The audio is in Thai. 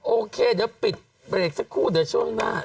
โอเคเดี๋ยวปิดเบรกสักครู่เดี๋ยวช่วงหน้า